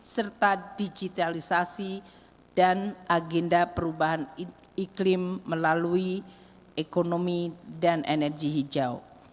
serta digitalisasi dan agenda perubahan iklim melalui ekonomi dan energi hijau